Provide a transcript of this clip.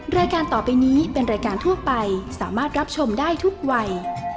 รายการต่อไปนี้เป็นรายการทั่วไปสามารถรับชมได้ทุกวัย